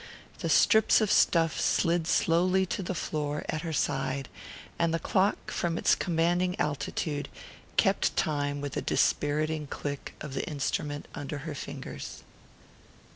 The strips of stuff slid slowly to the floor at her side, and the clock, from its commanding altitude, kept time with the dispiriting click of the instrument under her fingers.